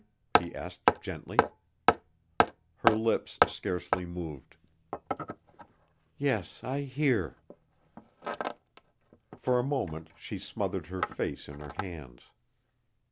he asked gently. Her lips scarcely moved. "Yes, I hear." For a moment she smothered her face in her hands.